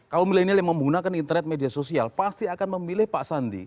kaum milenial yang menggunakan internet media sosial pasti akan memilih pak sandi